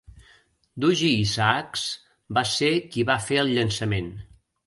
Dougie Isaacs va ser qui va fer el llançament.